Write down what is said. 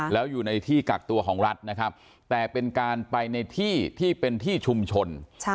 แล้วอยู่ในที่กักตัวของรัฐนะครับแต่เป็นการไปในที่ที่เป็นที่ชุมชน